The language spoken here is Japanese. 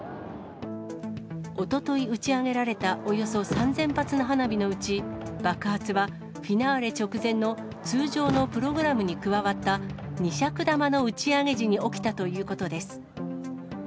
おととい打ち上げられたおよそ３０００発の花火のうち、爆発はフィナーレ直前の通常のプログラムに加わった２尺玉の打ち上げ時に起きたということです。